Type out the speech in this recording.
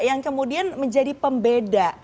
yang kemudian menjadi pembeda